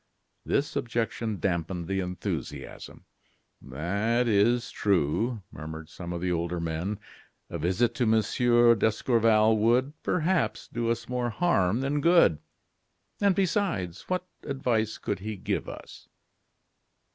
This objection dampened the enthusiasm. "That is true," murmured some of the older men; "a visit to Monsieur d'Escorval would, perhaps, do us more harm than good. And, besides, what advice could he give us?"